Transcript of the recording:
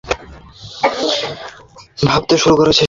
একটা নিছক ধাঁধাঁ শুনেই সেটাকে অনেক বড় ব্রেকথ্রু ভাবতে শুরু করেছে সে।